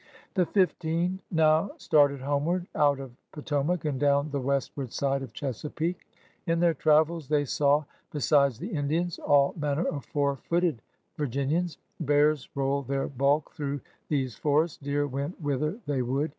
The fifteen now started homeward, out of Poto mac and down the westward side of Chesapeake. In their travels they saw, besides the Indians, all manner of four footed Virginians. Bears rolled their bulk through these forests; deer went whither they would.